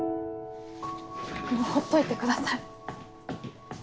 もうほっといてください。